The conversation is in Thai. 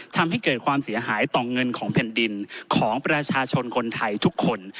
ทำให้เกิดความเสียหายต่อเงินของแผ่นดินของประชาชนคนไทยทุกคน